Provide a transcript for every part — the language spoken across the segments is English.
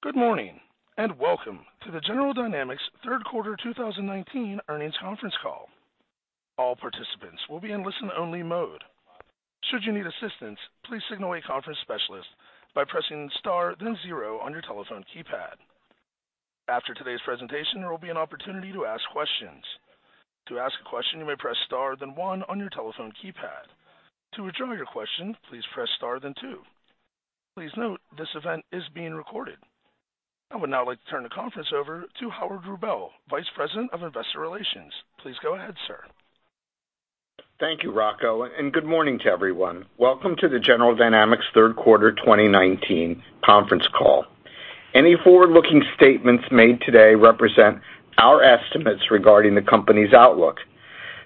Good morning, and welcome to the General Dynamics third quarter 2019 earnings conference call. All participants will be in listen-only mode. Should you need assistance, please signal a conference specialist by pressing star then zero on your telephone keypad. After today's presentation, there will be an opportunity to ask questions. To ask a question, you may press star then one on your telephone keypad. To withdraw your question, please press star then two. Please note, this event is being recorded. I would now like to turn the conference over to Howard Rubel, Vice President of Investor Relations. Please go ahead, sir. Thank you, Rocco. Good morning to everyone. Welcome to the General Dynamics third quarter 2019 conference call. Any forward-looking statements made today represent our estimates regarding the company's outlook.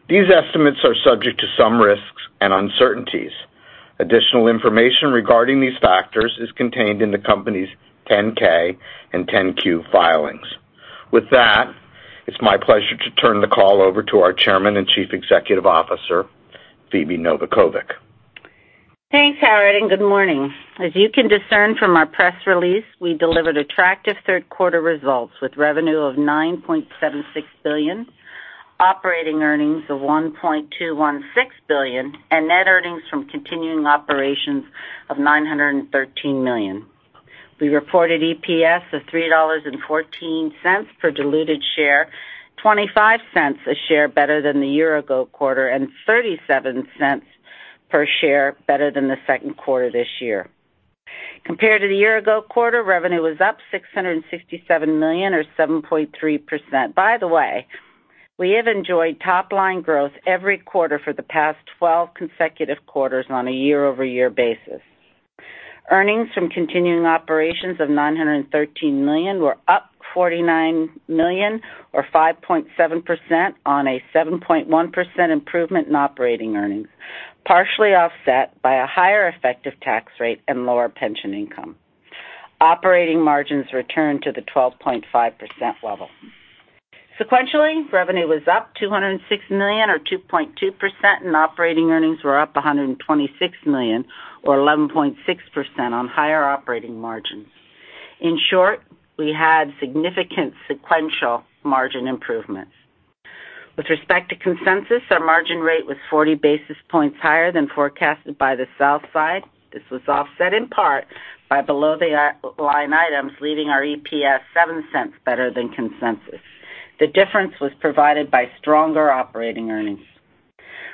These estimates are subject to some risks and uncertainties. Additional information regarding these factors is contained in the company's 10-K and 10-Q filings. With that, it's my pleasure to turn the call over to our Chairman and Chief Executive Officer, Phebe Novakovic. Thanks, Howard, and good morning. As you can discern from our press release, we delivered attractive third-quarter results with revenue of $9.76 billion, operating earnings of $1.216 billion, and net earnings from continuing operations of $913 million. We reported EPS of $3.14 per diluted share, $0.25 a share better than the year-ago quarter, and $0.37 per share better than the second quarter this year. Compared to the year-ago quarter, revenue was up $667 million or 7.3%. By the way, we have enjoyed top-line growth every quarter for the past 12 consecutive quarters on a year-over-year basis. Earnings from continuing operations of $913 million were up $49 million or 5.7% on a 7.1% improvement in operating earnings, partially offset by a higher effective tax rate and lower pension income. Operating margins returned to the 12.5% level. Sequentially, revenue was up $206 million, or 2.2%, and operating earnings were up $126 million or 11.6% on higher operating margins. In short, we had significant sequential margin improvements. With respect to consensus, our margin rate was 40 basis points higher than forecasted by the sell side. This was offset in part by below-the-line items, leaving our EPS $0.07 better than consensus. The difference was provided by stronger operating earnings.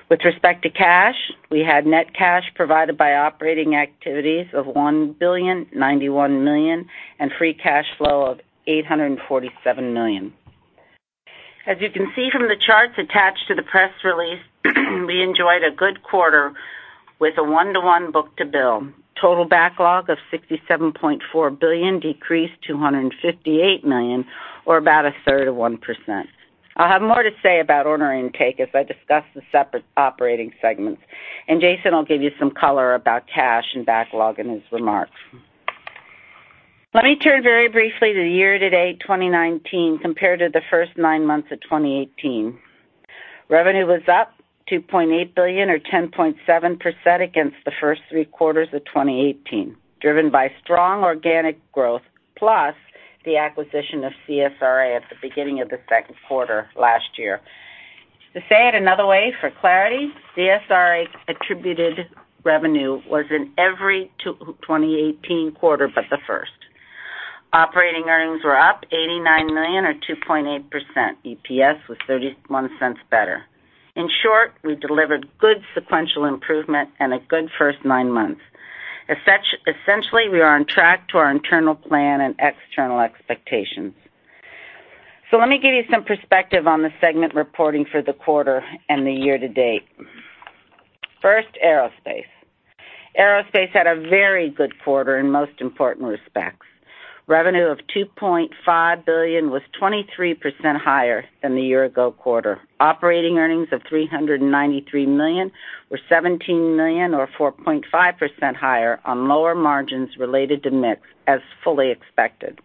With respect to cash, we had net cash provided by operating activities of $1,091 million and free cash flow of $847 million. As you can see from the charts attached to the press release, we enjoyed a good quarter with a 1-to-1 book-to-bill. Total backlog of $67.4 billion decreased to $158 million or about a third of 1%. I'll have more to say about order intake as I discuss the separate operating segments, and Jason will give you some color about cash and backlog in his remarks. Let me turn very briefly to the year-to-date 2019 compared to the first nine months of 2018. Revenue was up $2.8 billion or 10.7% against the first three quarters of 2018, driven by strong organic growth, plus the acquisition of CSRA at the beginning of the second quarter last year. To say it another way for clarity, CSRA-attributed revenue was in every 2018 quarter but the first. Operating earnings were up $89 million or 2.8%. EPS was $0.31 better. In short, we delivered good sequential improvement and a good first nine months. Essentially, we are on track to our internal plan and external expectations. Let me give you some perspective on the segment reporting for the quarter and the year-to-date. First, Aerospace. Aerospace had a very good quarter in most important respects. Revenue of $2.5 billion was 23% higher than the year-ago quarter. Operating earnings of $393 million were $17 million or 4.5% higher on lower margins related to mix, as fully expected.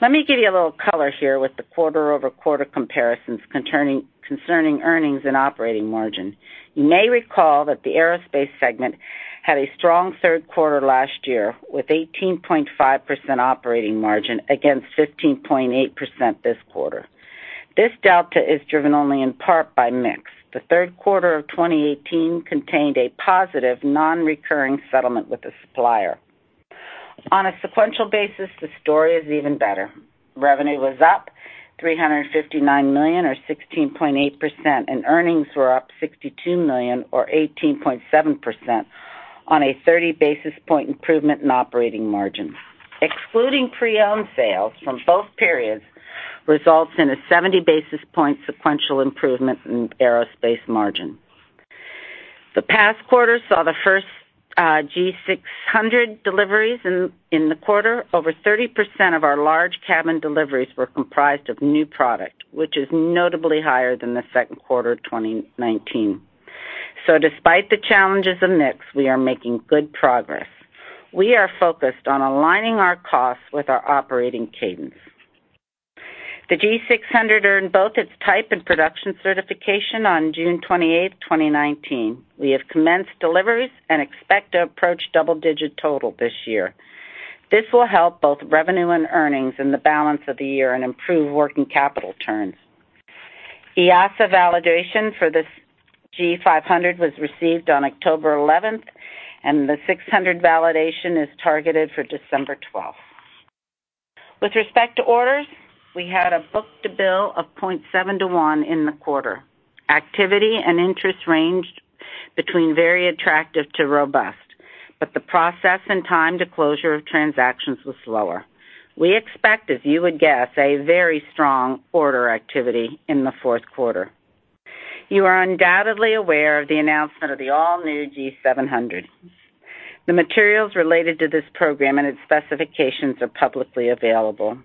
Let me give you a little color here with the quarter-over-quarter comparisons concerning earnings and operating margin. You may recall that the Aerospace segment had a strong third quarter last year with 18.5% operating margin against 15.8% this quarter. This delta is driven only in part by mix. The third quarter of 2018 contained a positive non-recurring settlement with a supplier. On a sequential basis, the story is even better. Revenue was up $359 million or 16.8%, and earnings were up $62 million or 18.7% on a 30 basis point improvement in operating margin. Excluding pre-owned sales from both periods results in a 70 basis point sequential improvement in Aerospace margin. The past quarter saw the first G600 deliveries in the quarter. Over 30% of our large cabin deliveries were comprised of new product, which is notably higher than the second quarter of 2019. Despite the challenges of mix, we are making good progress. We are focused on aligning our costs with our operating cadence. The G600 earned both its type and production certification on June 28th, 2019. We have commenced deliveries and expect to approach double digit total this year. This will help both revenue and earnings in the balance of the year and improve working capital turns. EASA validation for the G500 was received on October 11th, and the 600 validation is targeted for December 12th. With respect to orders, we had a book-to-bill of 0.7 to 1 in the quarter. Activity and interest ranged between very attractive to robust, but the process and time to closure of transactions was slower. We expect, as you would guess, a very strong order activity in the fourth quarter. You are undoubtedly aware of the announcement of the all-new G700. The materials related to this program and its specifications are publicly available.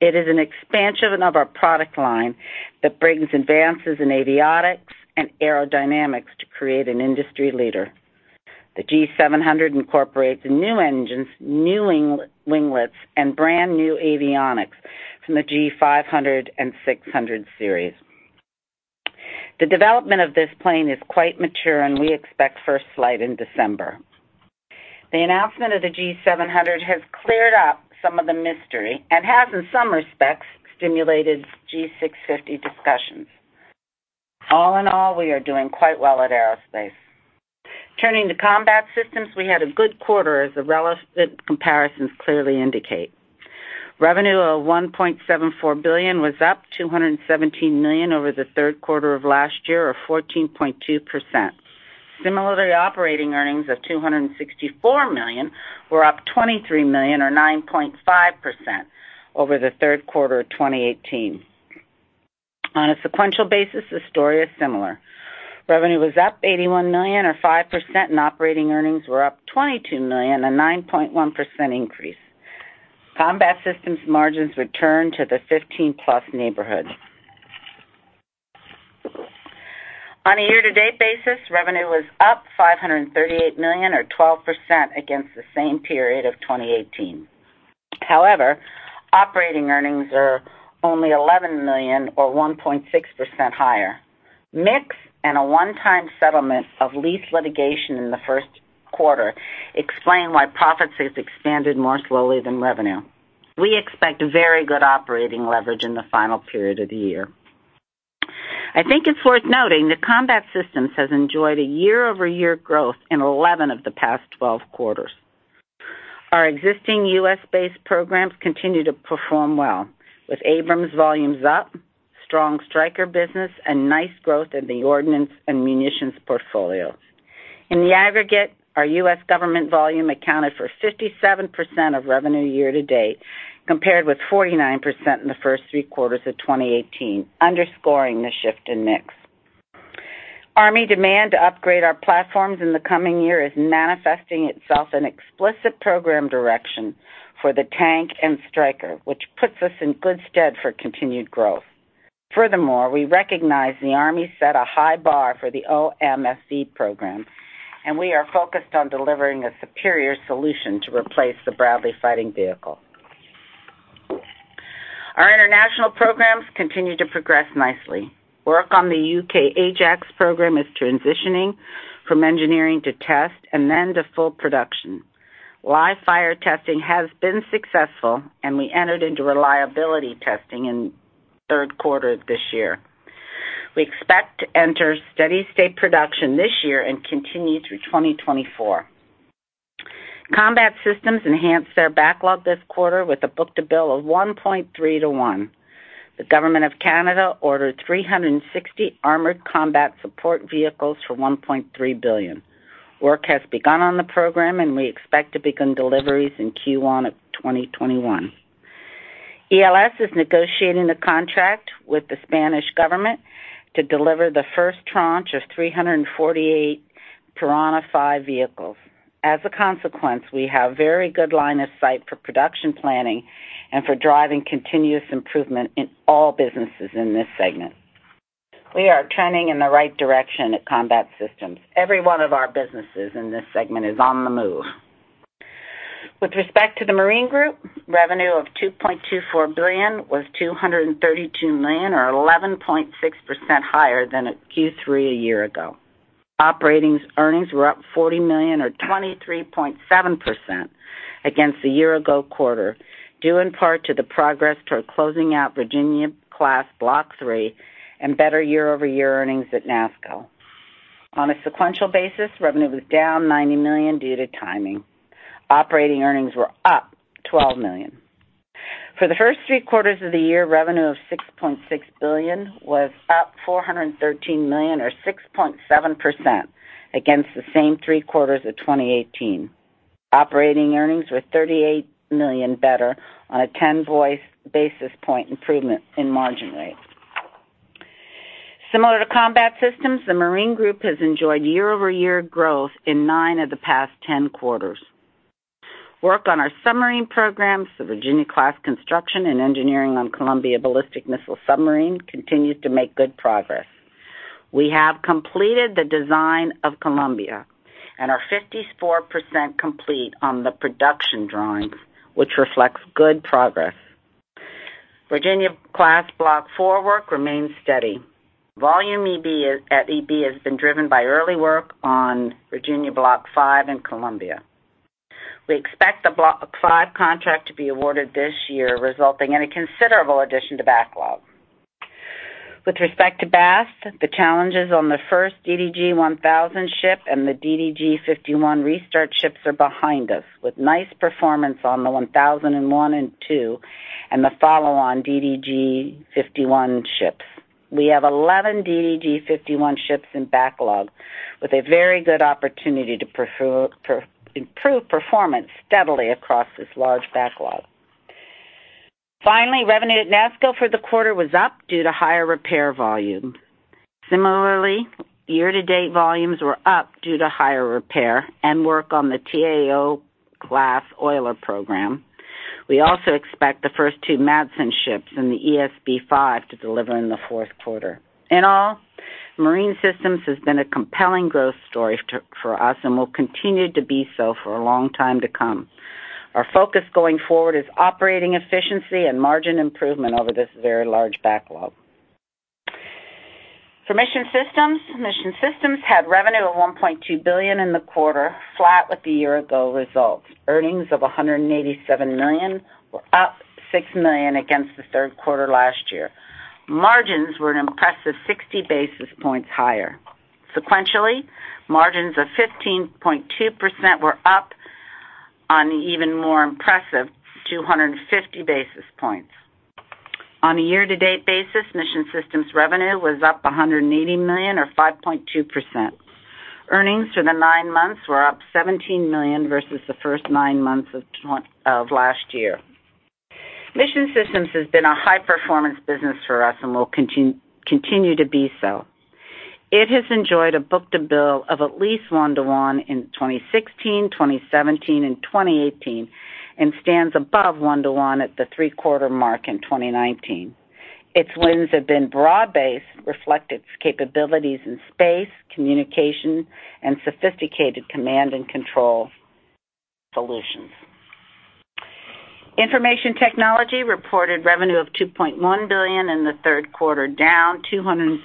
It is an expansion of our product line that brings advances in avionics and aerodynamics to create an industry leader. The G700 incorporates new engines, new winglets, and brand-new avionics from the G500 and G600 series. The development of this plane is quite mature, and we expect first flight in December. The announcement of the G700 has cleared up some of the mystery and has, in some respects, stimulated G650 discussions. All in all, we are doing quite well at Aerospace. Turning to Combat Systems, we had a good quarter, as the relative comparisons clearly indicate. Revenue of $1.74 billion was up $217 million over the third quarter of last year, or 14.2%. Similarly, operating earnings of $264 million were up $23 million or 9.5% over the third quarter of 2018. On a sequential basis, the story is similar. Revenue was up $81 million, or 5%, and operating earnings were up $22 million, a 9.1% increase. Combat Systems margins returned to the 15-plus neighborhood. On a year-to-date basis, revenue was up $538 million or 12% against the same period of 2018. Operating earnings are only $11 million or 1.6% higher. Mix and a one-time settlement of lease litigation in the first quarter explain why profits has expanded more slowly than revenue. We expect very good operating leverage in the final period of the year. I think it's worth noting that Combat Systems has enjoyed a year-over-year growth in 11 of the past 12 quarters. Our existing U.S.-based programs continue to perform well, with Abrams volumes up, strong Stryker business, and nice growth in the ordnance and munitions portfolios. In the aggregate, our U.S. government volume accounted for 57% of revenue year to date, compared with 49% in the first three quarters of 2018, underscoring the shift in mix. Army demand to upgrade our platforms in the coming year is manifesting itself in explicit program direction for the tank and Stryker, which puts us in good stead for continued growth. Furthermore, we recognize the Army set a high bar for the OMFV program, and we are focused on delivering a superior solution to replace the Bradley fighting vehicle. Our international programs continue to progress nicely. Work on the U.K. Ajax program is transitioning from engineering to test and then to full production. Live fire testing has been successful. We entered into reliability testing in the third quarter of this year. We expect to enter steady state production this year and continue through 2024. Combat Systems enhanced their backlog this quarter with a book-to-bill of 1.3 to 1. The government of Canada ordered 360 armored combat support vehicles for $1.3 billion. Work has begun on the program. We expect to begin deliveries in Q1 of 2021. ELS is negotiating a contract with the Spanish government to deliver the first tranche of 348 Piranha 5 vehicles. As a consequence, we have very good line of sight for production planning and for driving continuous improvement in all businesses in this segment. We are trending in the right direction at Combat Systems. Every one of our businesses in this segment is on the move. With respect to the Marine Systems, revenue of $2.24 billion was $232 million, or 11.6% higher than at Q3 a year ago. Operating earnings were up $40 million or 23.7% against a year ago quarter, due in part to the progress toward closing out Virginia-class Block III and better year-over-year earnings at NASSCO. On a sequential basis, revenue was down $90 million due to timing. Operating earnings were up $12 million. For the first three quarters of the year, revenue of $6.6 billion was up $413 million or 6.7% against the same three quarters of 2018. Operating earnings were $38 million better on a 10 basis point improvement in margin rate. Similar to Combat Systems, the Marine Systems has enjoyed year-over-year growth in nine of the past 10 quarters. Work on our submarine programs, the Virginia-class construction, and engineering on Columbia ballistic missile submarine continues to make good progress. We have completed the design of Columbia and are 54% complete on the production drawings, which reflects good progress. Virginia-class Block IV work remains steady. Volume at EB has been driven by early work on Virginia-class Block V and Columbia. We expect the Block V contract to be awarded this year, resulting in a considerable addition to backlog. With respect to Bath, the challenges on the first DDG-1000 ship and the DDG 51 restart ships are behind us, with nice performance on the 1001 and two, and the follow-on DDG 51 ships. We have 11 DDG 51 ships in backlog with a very good opportunity to improve performance steadily across this large backlog. Finally, revenue at NASSCO for the quarter was up due to higher repair volume. Similarly, year-to-date volumes were up due to higher repair and work on the T-AO class oiler program. We also expect the first two NASSCO ships in the ESB 5 to deliver in the fourth quarter. In all, Marine Systems has been a compelling growth story for us and will continue to be so for a long time to come. Our focus going forward is operating efficiency and margin improvement over this very large backlog. For Mission Systems, Mission Systems had revenue of $1.2 billion in the quarter, flat with the year-ago results. Earnings of $187 million were up $6 million against the third quarter last year. Margins were an impressive 60 basis points higher. Sequentially, margins of 15.2% were up on the even more impressive 250 basis points. On a year-to-date basis, Mission Systems revenue was up $180 million or 5.2%. Earnings for the nine months were up $17 million versus the first nine months of last year. Mission Systems has been a high-performance business for us and will continue to be so. It has enjoyed a book-to-bill of at least one to one in 2016, 2017, and 2018, and stands above one to one at the three-quarter mark in 2019. Its wins have been broad-based, reflect its capabilities in space, communication, and sophisticated command and control solutions. Information Technology reported revenue of $2.1 billion in the third quarter, down $236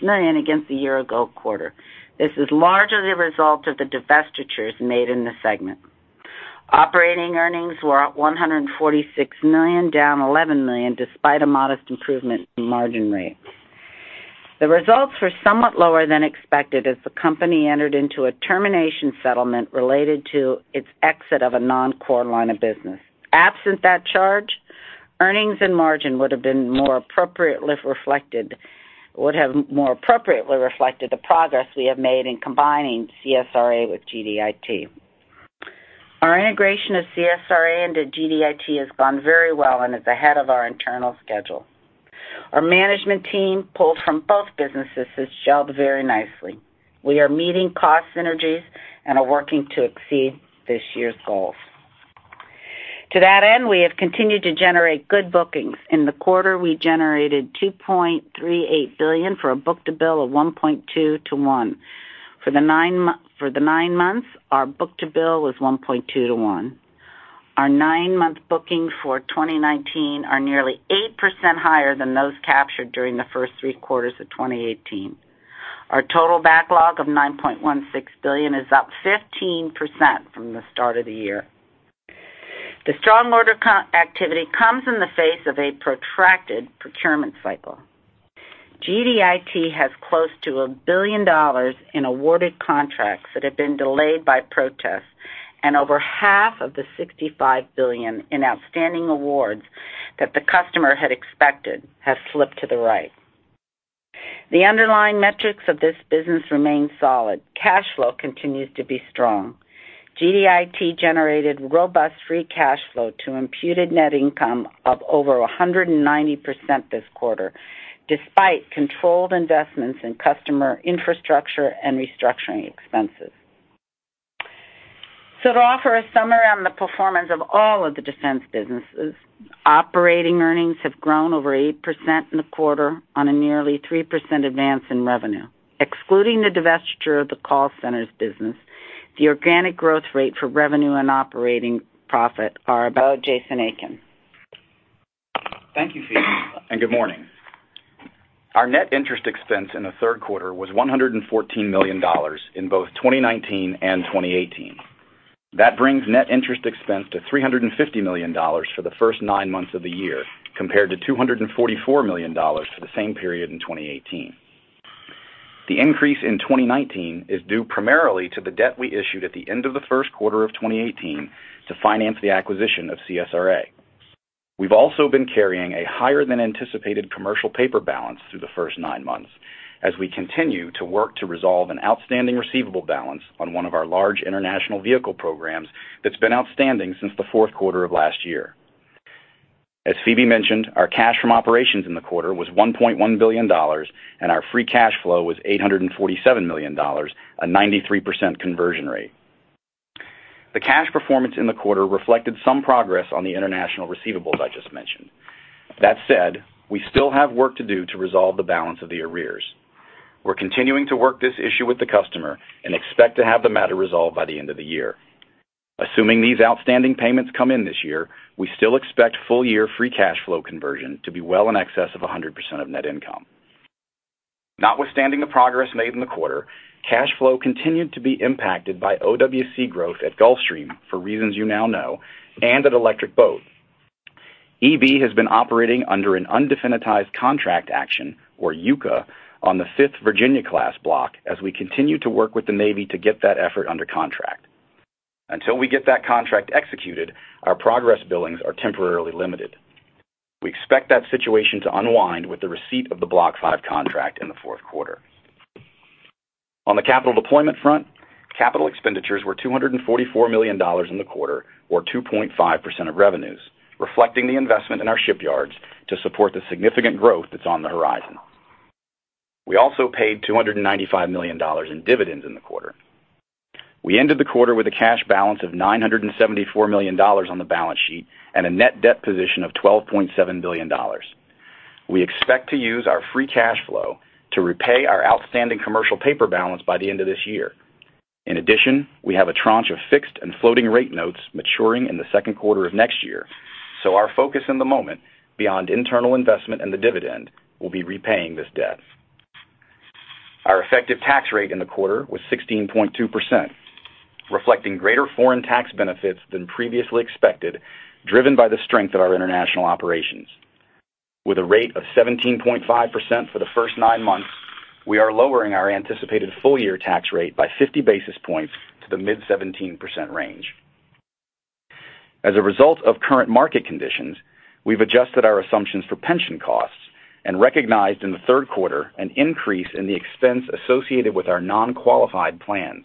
million against the year-ago quarter. Operating earnings were up $146 million, down $11 million, despite a modest improvement in margin rate. The results were somewhat lower than expected as the company entered into a termination settlement related to its exit of a non-core line of business. Absent that charge, earnings and margin would have more appropriately reflected the progress we have made in combining CSRA with GDIT. Our integration of CSRA into GDIT has gone very well and is ahead of our internal schedule. Our management team, pulled from both businesses, has gelled very nicely. We are meeting cost synergies and are working to exceed this year's goals. To that end, we have continued to generate good bookings. In the quarter, we generated $2.38 billion for a book-to-bill of 1.2 to one. For the nine months, our book-to-bill was 1.2 to one. Our nine-month bookings for 2019 are nearly 8% higher than those captured during the first three quarters of 2018. Our total backlog of $9.16 billion is up 15% from the start of the year. The strong order activity comes in the face of a protracted procurement cycle. GDIT has close to $1 billion in awarded contracts that have been delayed by protests and over half of the $65 billion in outstanding awards that the customer had expected has slipped to the right. The underlying metrics of this business remain solid. Cash flow continues to be strong. GDIT generated robust free cash flow to imputed net income of over 190% this quarter, despite controlled investments in customer infrastructure and restructuring expenses. To offer a summary on the performance of all of the defense businesses, operating earnings have grown over 8% in the quarter on a nearly 3% advance in revenue. Excluding the divestiture of the call centers business, the organic growth rate for revenue and operating profit are about Jason Aiken. Thank you, Phebe, and good morning. Our net interest expense in the third quarter was $114 million in both 2019 and 2018. That brings net interest expense to $350 million for the first nine months of the year, compared to $244 million for the same period in 2018. The increase in 2019 is due primarily to the debt we issued at the end of the first quarter of 2018 to finance the acquisition of CSRA. We've also been carrying a higher-than-anticipated commercial paper balance through the first nine months as we continue to work to resolve an outstanding receivable balance on one of our large international vehicle programs that's been outstanding since the fourth quarter of last year. As Phebe mentioned, our cash from operations in the quarter was $1.1 billion, and our free cash flow was $847 million, a 93% conversion rate. The cash performance in the quarter reflected some progress on the international receivables I just mentioned. That said, we still have work to do to resolve the balance of the arrears. We're continuing to work this issue with the customer and expect to have the matter resolved by the end of the year. Assuming these outstanding payments come in this year, we still expect full-year free cash flow conversion to be well in excess of 100% of net income. Notwithstanding the progress made in the quarter, cash flow continued to be impacted by OWC growth at Gulfstream, for reasons you know, and at Electric Boat. EB has been operating under an undefinitized contract action, or UCA, on the fifth Virginia-class Block V, as we continue to work with the Navy to get that effort under contract. Until we get that contract executed, our progress billings are temporarily limited. We expect that situation to unwind with the receipt of the Block V contract in the fourth quarter. On the capital deployment front, capital expenditures were $244 million in the quarter, or 2.5% of revenues, reflecting the investment in our shipyards to support the significant growth that's on the horizon. We also paid $295 million in dividends in the quarter. We ended the quarter with a cash balance of $974 million on the balance sheet and a net debt position of $12.7 billion. We expect to use our free cash flow to repay our outstanding commercial paper balance by the end of this year. We have a tranche of fixed and floating rate notes maturing in the second quarter of next year. Our focus in the moment, beyond internal investment and the dividend, will be repaying this debt. Our effective tax rate in the quarter was 16.2%, reflecting greater foreign tax benefits than previously expected, driven by the strength of our international operations. With a rate of 17.5% for the first nine months, we are lowering our anticipated full-year tax rate by 50 basis points to the mid-17% range. As a result of current market conditions, we've adjusted our assumptions for pension costs and recognized in the third quarter an increase in the expense associated with our non-qualified plans.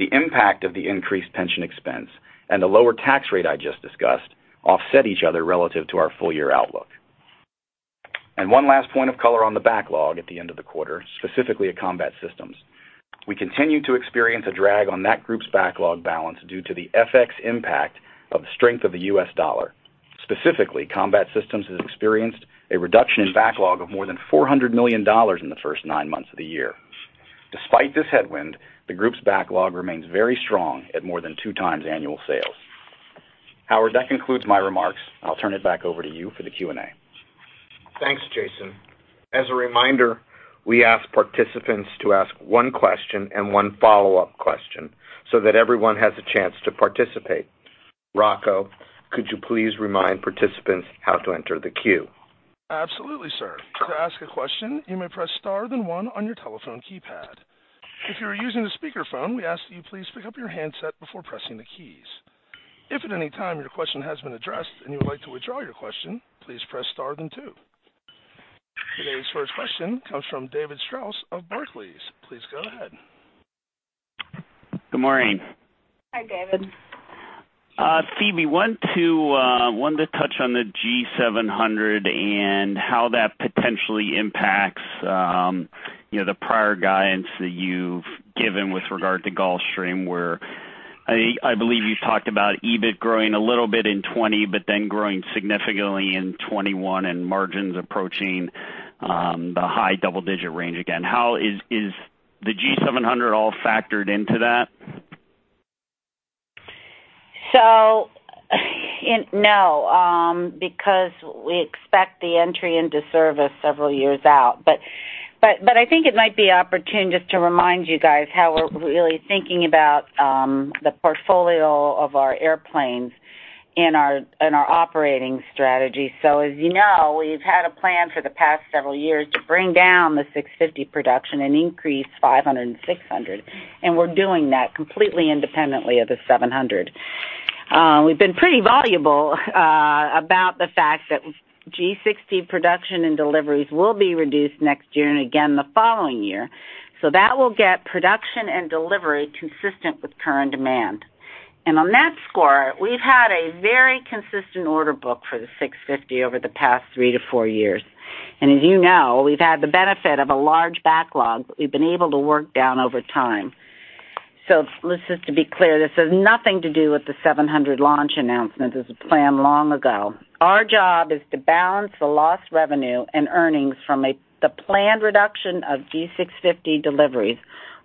The impact of the increased pension expense and the lower tax rate I just discussed offset each other relative to our full-year outlook. One last point of color on the backlog at the end of the quarter, specifically at Combat Systems. We continue to experience a drag on that group's backlog balance due to the FX impact of the strength of the U.S. dollar. Specifically, Combat Systems has experienced a reduction in backlog of more than $400 million in the first nine months of the year. Despite this headwind, the group's backlog remains very strong at more than two times annual sales. Howard, that concludes my remarks. I'll turn it back over to you for the Q&A. Thanks, Jason. As a reminder, we ask participants to ask one question and one follow-up question so that everyone has a chance to participate. Rocco, could you please remind participants how to enter the queue? Absolutely, sir. To ask a question, you may press star then one on your telephone keypad. If you are using a speakerphone, we ask that you please pick up your handset before pressing the keys. If at any time your question has been addressed and you would like to withdraw your question, please press star then two. Today's first question comes from David Strauss of Barclays. Please go ahead. Good morning. Hi, David. Phebe, I wanted to touch on the G700 and how that potentially impacts the prior guidance that you've given with regard to Gulfstream, where I believe you talked about EBIT growing a little bit in 2020, but then growing significantly in 2021 and margins approaching the high double-digit range again. Is the G700 all factored into that? No, because we expect the entry into service several years out. I think it might be opportune just to remind you guys how we're really thinking about the portfolio of our airplanes and our operating strategy. As you know, we've had a plan for the past several years to bring down the G650 production and increase G500 and G600, and we're doing that completely independently of the G700. We've been pretty voluble about the fact that G600 production and deliveries will be reduced next year and again the following year. That will get production and delivery consistent with current demand. On that score, we've had a very consistent order book for the G650 over the past three to four years. As you know, we've had the benefit of a large backlog that we've been able to work down over time. Let's just be clear, this has nothing to do with the G700 launch announcement. This was planned long ago. Our job is to balance the lost revenue and earnings from the planned reduction of G650 deliveries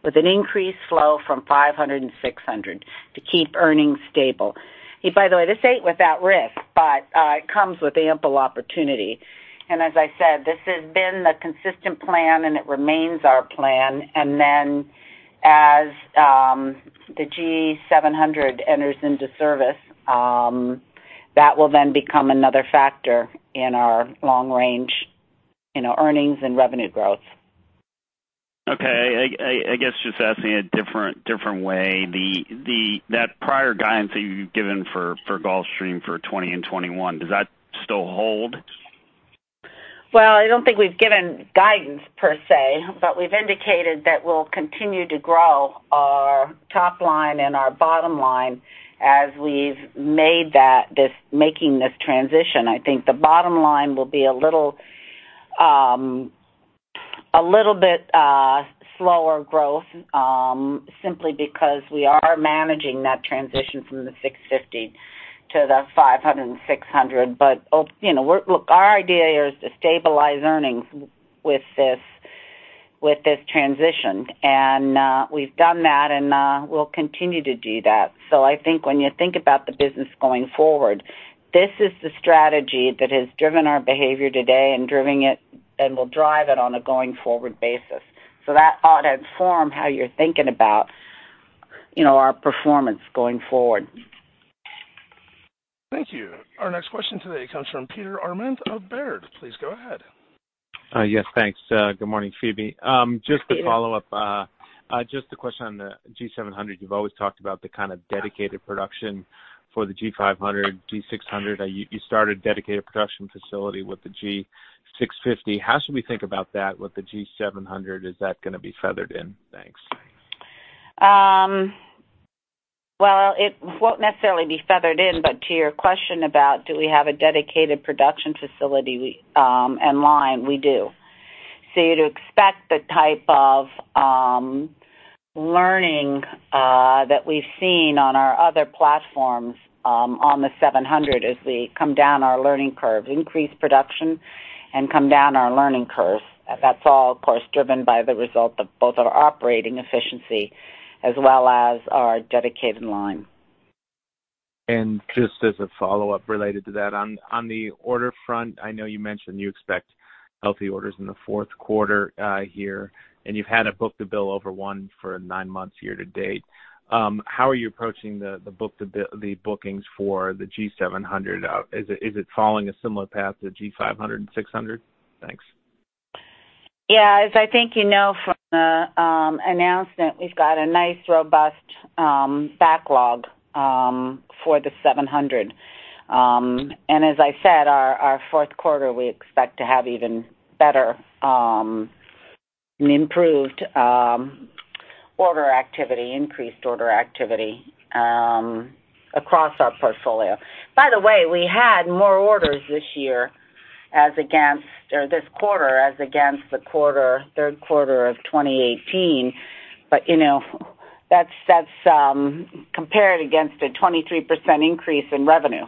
with an increased flow from G500 and G600 to keep earnings stable. By the way, this ain't without risk, but it comes with ample opportunity. As I said, this has been the consistent plan, and it remains our plan. As the G700 enters into service, that will then become another factor in our long range, earnings, and revenue growth. I guess just asking a different way. That prior guidance that you've given for Gulfstream for 2020 and 2021, does that still hold? I don't think we've given guidance per se, but we've indicated that we'll continue to grow our top line and our bottom line as we've made this transition. I think the bottom line will be a little. A little bit slower growth, simply because we are managing that transition from the G650 to the G500 and G600. Look, our idea here is to stabilize earnings with this transition. We've done that and we'll continue to do that. I think when you think about the business going forward, this is the strategy that has driven our behavior today and will drive it on a going-forward basis. That ought to inform how you're thinking about our performance going forward. Thank you. Our next question today comes from Peter Arment of Baird. Please go ahead. Yes, thanks. Good morning, Phebe. Hi, Peter. Just to follow up, just a question on the G700. You've always talked about the kind of dedicated production for the G500, G600. You started a dedicated production facility with the G650. How should we think about that with the G700? Is that going to be feathered in? Thanks. Well, it won't necessarily be feathered in, but to your question about do we have a dedicated production facility and line, we do. You'd expect the type of learning that we've seen on our other platforms on the G700 as we come down our learning curve, increase production and come down our learning curve. That's all, of course, driven by the result of both our operating efficiency as well as our dedicated line. Just as a follow-up related to that, on the order front, I know you mentioned you expect healthy orders in the fourth quarter here. You've had a book-to-bill over one for nine months year to date. How are you approaching the bookings for the G700? Is it following a similar path to G500 and G600? Thanks. As I think you know from the announcement, we've got a nice, robust backlog for the G700. As I said, our fourth quarter, we expect to have even better improved order activity, increased order activity across our portfolio. By the way, we had more orders this quarter as against the third quarter of 2018. That's compared against a 23% increase in revenue.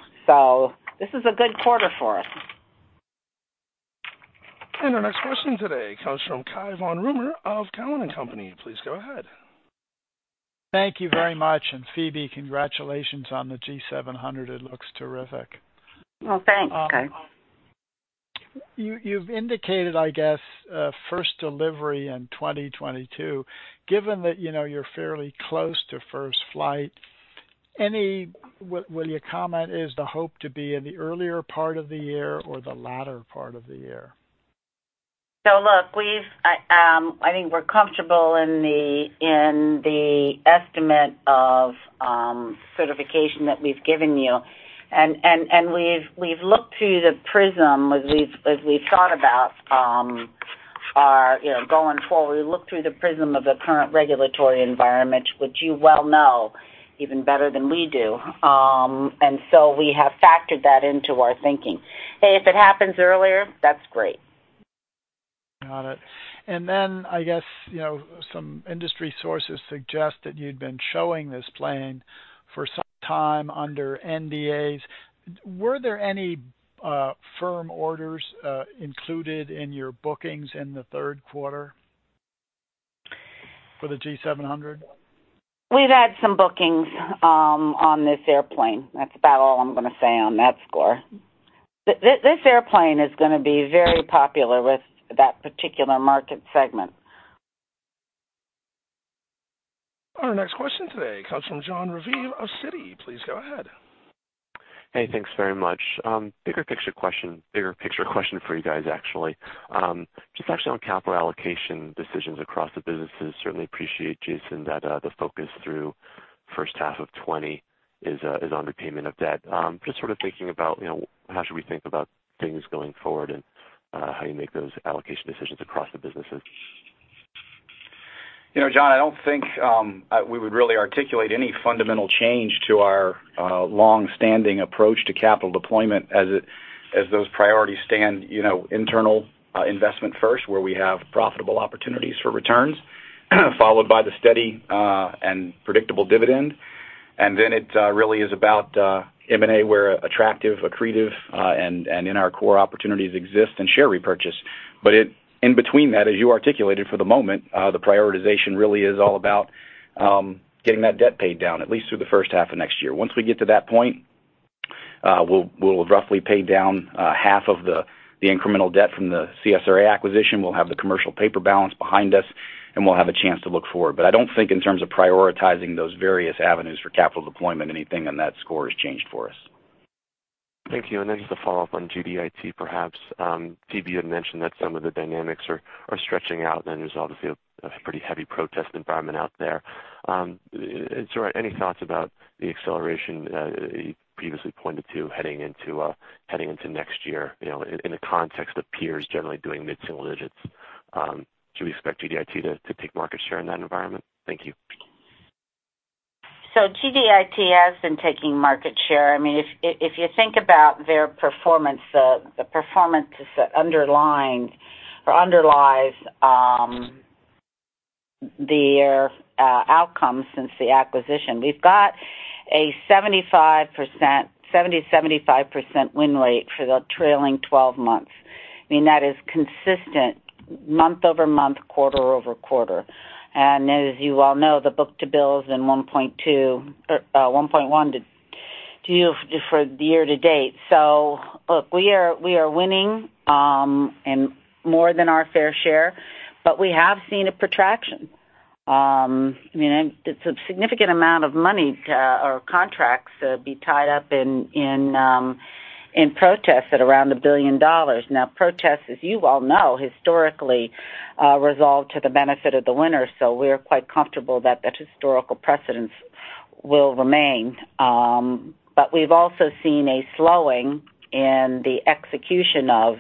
This is a good quarter for us. Our next question today comes from Cai von Rumohr of Cowen and Company. Please go ahead. Thank you very much. Phebe, congratulations on the G700. It looks terrific. Well, thanks, Cai. You've indicated, I guess, first delivery in 2022. Given that you're fairly close to first flight, will you comment, is the hope to be in the earlier part of the year or the latter part of the year? Look, I think we're comfortable in the estimate of certification that we've given you. We've looked through the prism as we've thought about going forward, we look through the prism of the current regulatory environment, which you well know even better than we do. We have factored that into our thinking. Hey, if it happens earlier, that's great. Got it. I guess some industry sources suggest that you'd been showing this plane for some time under NDAs. Were there any firm orders included in your bookings in the third quarter for the G700? We've had some bookings on this airplane. That's about all I'm going to say on that score. This airplane is going to be very popular with that particular market segment. Our next question today comes from Jon Raviv of Citi. Please go ahead. Hey, thanks very much. Bigger picture question for you guys, actually. Just actually on capital allocation decisions across the businesses, certainly appreciate, Jason, that the focus through first half of 2020 is on repayment of debt. Just sort of thinking about how should we think about things going forward and how you make those allocation decisions across the businesses. Jon, I don't think we would really articulate any fundamental change to our long-standing approach to capital deployment as those priorities stand internal investment first, where we have profitable opportunities for returns, followed by the steady and predictable dividend. It really is about M&A, where attractive, accretive, and in our core opportunities exist, and share repurchase. In between that, as you articulated for the moment, the prioritization really is all about getting that debt paid down, at least through the first half of next year. Once we get to that point, we'll have roughly paid down half of the incremental debt from the CSRA acquisition. We'll have the commercial paper balance behind us, and we'll have a chance to look forward. I don't think in terms of prioritizing those various avenues for capital deployment, anything on that score has changed for us. Thank you. Just a follow-up on GDIT, perhaps. Phebe had mentioned that some of the dynamics are stretching out, and there's obviously a pretty heavy protest environment out there. Any thoughts about the acceleration you previously pointed to heading into next year in the context of peers generally doing mid-single digits? Should we expect GDIT to take market share in that environment? Thank you. GDIT has been taking market share. If you think about their performance, the performance underlies their outcomes since the acquisition. We've got a 70%-75% win rate for the trailing 12 months. That is consistent month-over-month, quarter-over-quarter. As you all know, the book to bill is in 1.1 for the year to date. Look, we are winning in more than our fair share, but we have seen a protraction. It's a significant amount of money, or contracts, to be tied up in protests at around $1 billion. Protests, as you all know, historically resolve to the benefit of the winner. We are quite comfortable that that historical precedence will remain. We've also seen a slowing in the execution of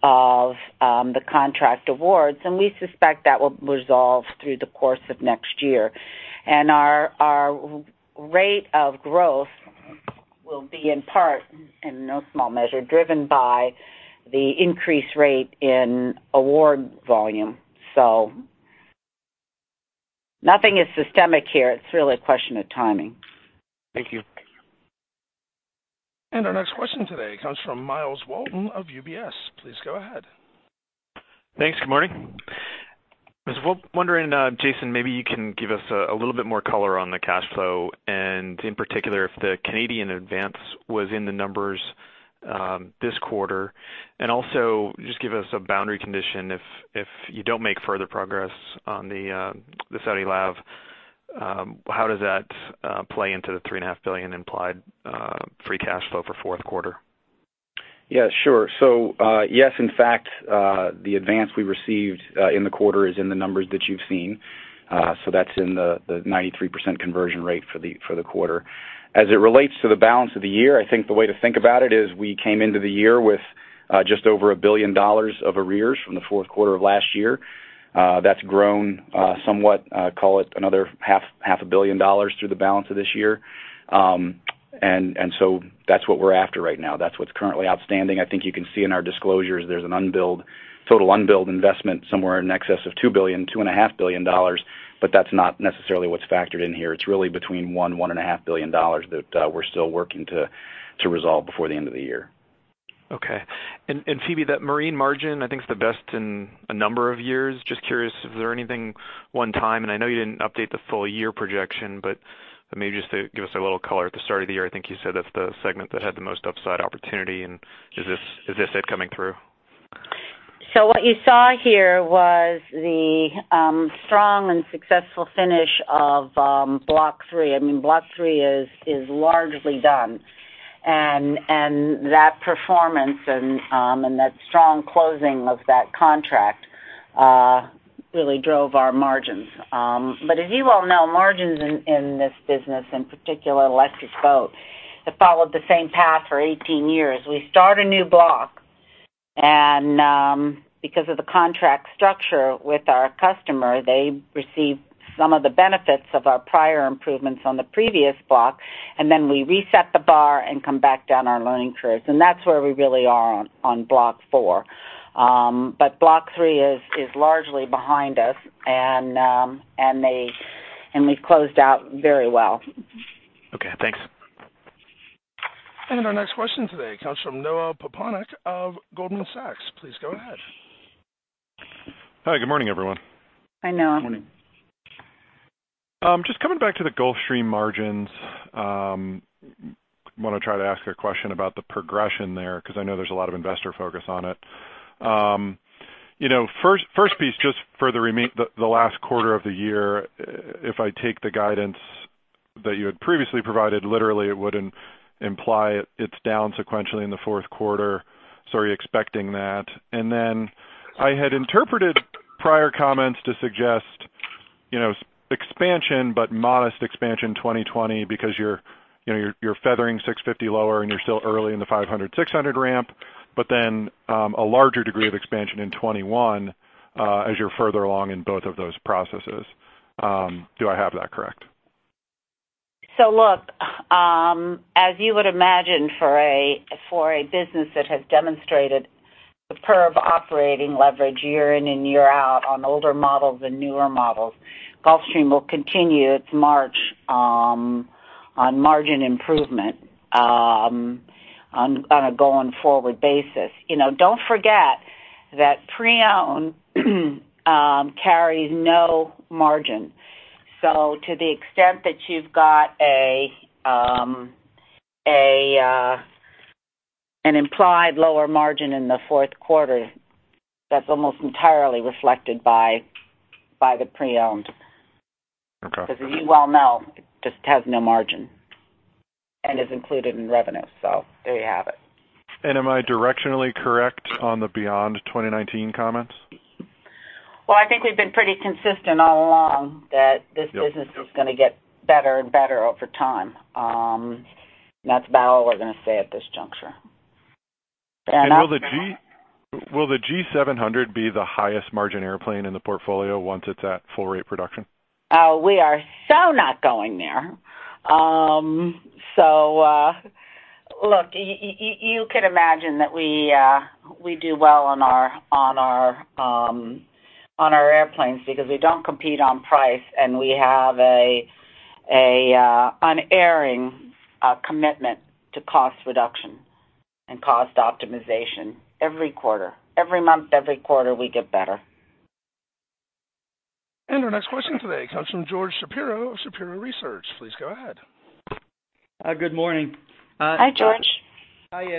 the contract awards. We suspect that will resolve through the course of next year. Our rate of growth will be in part, in no small measure, driven by the increased rate in award volume. Nothing is systemic here. It's really a question of timing. Thank you. Our next question today comes from Myles Walton of UBS. Please go ahead. Thanks. Good morning. I was wondering, Jason, maybe you can give us a little bit more color on the cash flow and in particular, if the Canadian advance was in the numbers this quarter. Just give us a boundary condition. If you don't make further progress on the Saudi Abrams, how does that play into the $3.5 billion implied free cash flow for fourth quarter? Yeah, sure. Yes, in fact, the advance we received in the quarter is in the numbers that you've seen. That's in the 93% conversion rate for the quarter. As it relates to the balance of the year, I think the way to think about it is we came into the year with just over $1 billion of arrears from the fourth quarter of last year. That's grown somewhat, call it another half a billion dollars through the balance of this year. That's what we're after right now. That's what's currently outstanding. I think you can see in our disclosures there's a total unbilled investment somewhere in excess of $2 billion, $2.5 billion, that's not necessarily what's factored in here. It's really between $1 billion, $1.5 billion that we're still working to resolve before the end of the year. Okay. Phebe, that Marine Systems margin, I think, is the best in a number of years. Just curious if there are anything one-time, and I know you didn't update the full year projection, but maybe just to give us a little color. At the start of the year, I think you said that's the segment that had the most upside opportunity and is this it coming through? What you saw here was the strong and successful finish of Block III. Block III is largely done, and that performance and that strong closing of that contract really drove our margins. As you all know, margins in this business, in particular Electric Boat, have followed the same path for 18 years. We start a new block and because of the contract structure with our customer, they receive some of the benefits of our prior improvements on the previous block, and then we reset the bar and come back down our learning curves. That's where we really are on Block IV. Block III is largely behind us and we've closed out very well. Okay, thanks. Our next question today comes from Noah Poponak of Goldman Sachs. Please go ahead. Hi, good morning, everyone. Hi, Noah. Good morning. Just coming back to the Gulfstream margins, I want to try to ask a question about the progression there, because I know there's a lot of investor focus on it. First piece, just for the last quarter of the year, if I take the guidance that you had previously provided literally it would imply it's down sequentially in the fourth quarter. Are you expecting that? I had interpreted prior comments to suggest expansion, but modest expansion 2020 because you're feathering G650 lower and you're still early in the G500, G600 ramp, but then a larger degree of expansion in 2021 as you're further along in both of those processes. Do I have that correct? Look, as you would imagine for a business that has demonstrated superb operating leverage year in and year out on older models and newer models, Gulfstream will continue its march on margin improvement on a going-forward basis. Don't forget that pre-owned carries no margin. To the extent that you've got an implied lower margin in the fourth quarter, that's almost entirely reflected by the pre-owned. Okay. As you well know, it just has no margin and is included in revenue. There you have it. Am I directionally correct on the beyond 2019 comments? Well, I think we've been pretty consistent all along that this business is going to get better and better over time. That's about all we're going to say at this juncture. Will the G700 be the highest margin airplane in the portfolio once it's at full rate production? We are not going there. Look, you can imagine that we do well on our airplanes because we don't compete on price, and we have an unerring commitment to cost reduction and cost optimization every quarter. Every month, every quarter, we get better. Our next question today comes from George Shapiro of Shapiro Research. Please go ahead. Hi, good morning. Hi, George. Hi.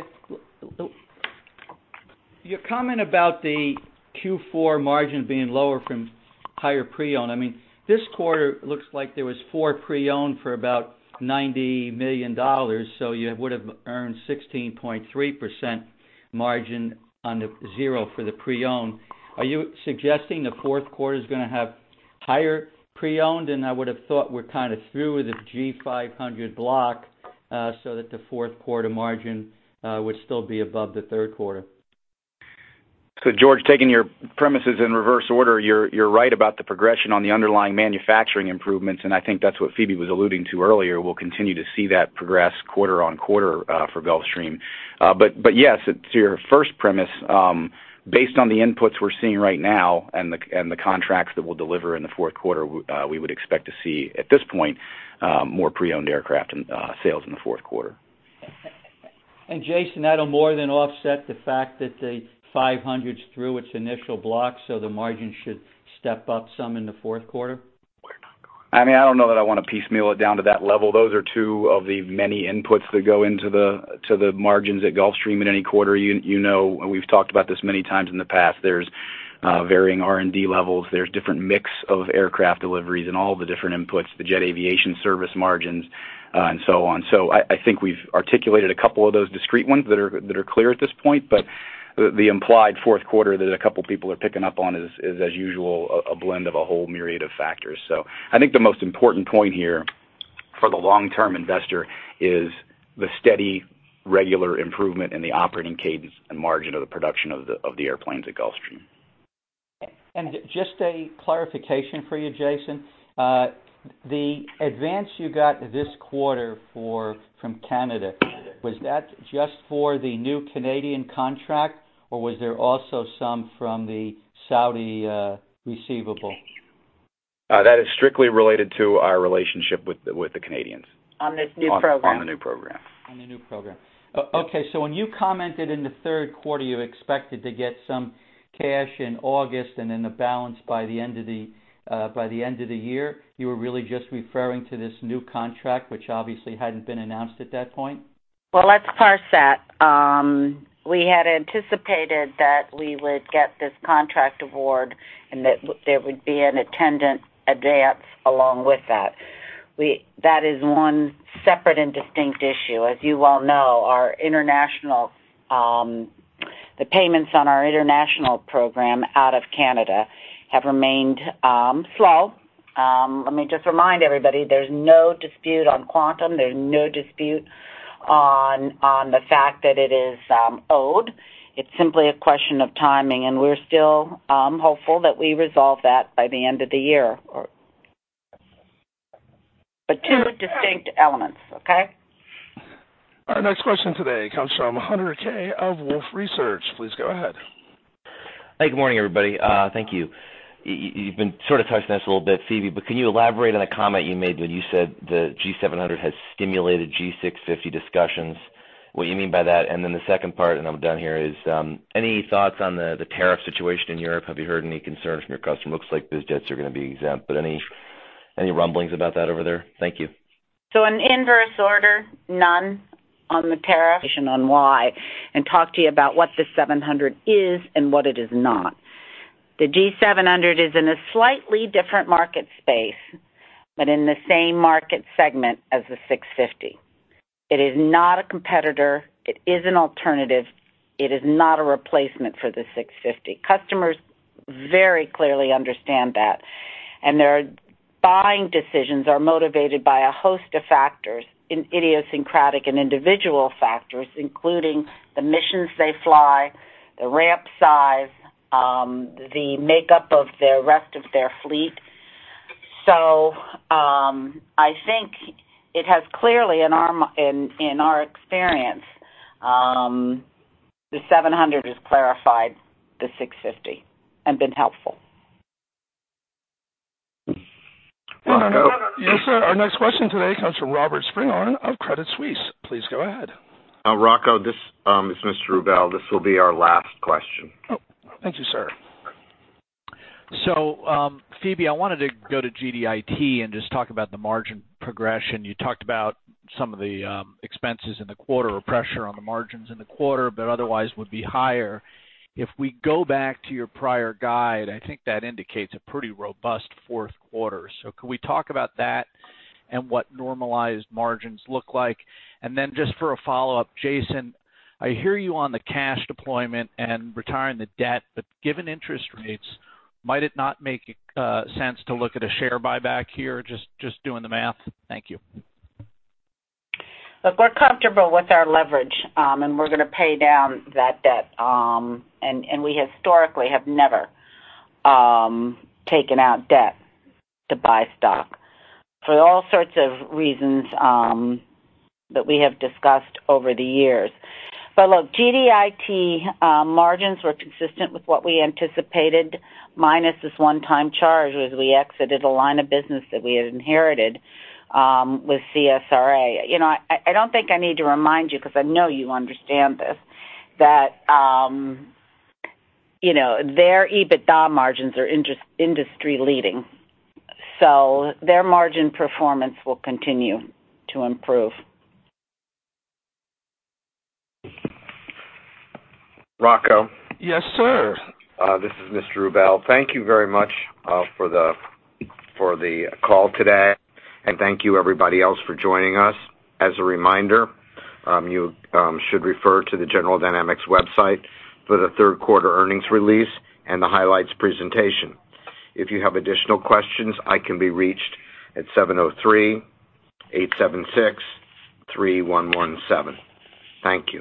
Your comment about the Q4 margin being lower from higher pre-owned, this quarter looks like there was four pre-owned for about $90 million. You would've earned 16.3% margin on the zero for the pre-owned. Are you suggesting the fourth quarter's going to have higher pre-owned? I would've thought we're kind of through with the G500 block, so that the fourth quarter margin would still be above the third quarter. George, taking your premises in reverse order, you're right about the progression on the underlying manufacturing improvements, and I think that's what Phebe was alluding to earlier. We'll continue to see that progress quarter-on-quarter for Gulfstream. Yes, to your first premise, based on the inputs we're seeing right now and the contracts that we'll deliver in the fourth quarter, we would expect to see, at this point, more pre-owned aircraft sales in the fourth quarter. Jason, that'll more than offset the fact that the 500's through its initial block, so the margin should step up some in the fourth quarter? We're not going there. I don't know that I want to piecemeal it down to that level. Those are two of the many inputs that go into the margins at Gulfstream in any quarter. You know, we've talked about this many times in the past. There's varying R&D levels. There's different mix of aircraft deliveries and all the different inputs, the Jet Aviation service margins, and so on. I think we've articulated a couple of those discrete ones that are clear at this point, but the implied fourth quarter that a couple people are picking up on is, as usual, a blend of a whole myriad of factors. I think the most important point here for the long-term investor is the steady regular improvement in the operating cadence and margin of the production of the airplanes at Gulfstream. Just a clarification for you, Jason. The advance you got this quarter from Canada, was that just for the new Canadian contract, or was there also some from the Saudi receivable? That is strictly related to our relationship with the Canadians. On this new program. On the new program. When you commented in the third quarter you expected to get some cash in August and then the balance by the end of the year, you were really just referring to this new contract, which obviously hadn't been announced at that point? Well, let's parse that. We had anticipated that we would get this contract award and that there would be an attendant advance along with that. That is one separate and distinct issue. As you well know, the payments on our international program out of Canada have remained slow. Let me just remind everybody, there's no dispute on quantum, there's no dispute on the fact that it is owed. It's simply a question of timing, and we're still hopeful that we resolve that by the end of the year. Two distinct elements, okay? Our next question today comes from Hunter Keay of Wolfe Research. Please go ahead. Hey, good morning, everybody. Thank you. You've been sort of touching on this a little bit, Phebe. Can you elaborate on a comment you made when you said the G700 has stimulated G650 discussions, what you mean by that? The second part, and I'm done here, is any thoughts on the tariff situation in Europe? Have you heard any concerns from your customers? Looks like biz jets are going to be exempt. Any rumblings about that over there? Thank you. In inverse order, none on the tariff, on why, and talk to you about what the 700 is and what it is not. The G700 is in a slightly different market space, but in the same market segment as the 650. It is not a competitor. It is an alternative. It is not a replacement for the 650. Customers very clearly understand that, and their buying decisions are motivated by a host of factors, in idiosyncratic and individual factors, including the missions they fly, the ramp size, the makeup of the rest of their fleet. I think it has clearly, in our experience, the 700 has clarified the 650 and been helpful. Rocco? Yes, sir. Our next question today comes from Robert Spingarn of Credit Suisse. Please go ahead. Rocco, this is Mr. Rubel. This will be our last question. Oh, thank you, sir. Phebe, I wanted to go to GDIT and just talk about the margin progression. You talked about some of the expenses in the quarter or pressure on the margins in the quarter, but otherwise would be higher. If we go back to your prior guide, I think that indicates a pretty robust fourth quarter. Could we talk about that and what normalized margins look like? Just for a follow-up, Jason, I hear you on the cash deployment and retiring the debt, given interest rates, might it not make sense to look at a share buyback here, just doing the math? Thank you. We're comfortable with our leverage, we're going to pay down that debt. We historically have never taken out debt to buy stock for all sorts of reasons that we have discussed over the years. GDIT margins were consistent with what we anticipated minus this one-time charge as we exited a line of business that we had inherited with CSRA. I don't think I need to remind you because I know you understand this, that their EBITDA margins are industry leading. Their margin performance will continue to improve. Rocco. Yes, sir. This is Mr. Rubel. Thank you very much for the call today, and thank you everybody else for joining us. As a reminder, you should refer to the General Dynamics website for the third quarter earnings release and the highlights presentation. If you have additional questions, I can be reached at 703-876-3117. Thank you.